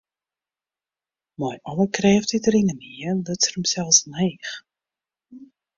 Mei alle krêft dy't er yn him hie, luts er himsels omheech.